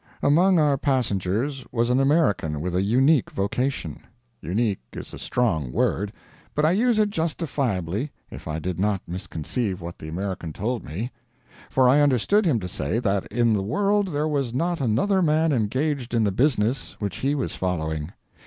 Among our passengers was an American with a unique vocation. Unique is a strong word, but I use it justifiably if I did not misconceive what the American told me; for I understood him to say that in the world there was not another man engaged in the business which he was following.